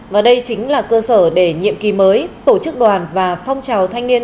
và đây chính là cơ sở để nhiệm kỳ mới tổ chức đoàn và phong trào thanh niên